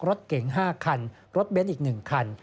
รถเก๋ง๕คันรถเบนท์อีก๑คัน